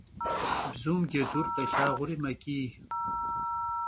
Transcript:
Bzum cedur khêlhağuri meç'iy.